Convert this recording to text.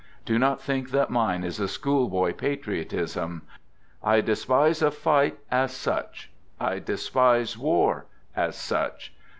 Do not think that mine is a schoolboy patriotism. I despise a fight as such ; I despise war — as such.